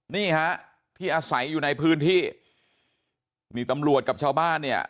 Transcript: นี่ฮะที่อาศัยอยู่ในพื้นที่นี่ตำรวจกับชาวบ้านเนี่ย